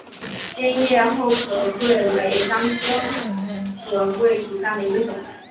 尖叶厚壳桂为樟科厚壳桂属下的一个种。